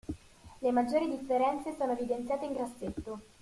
Le maggiori differenze sono evidenziate in grassetto.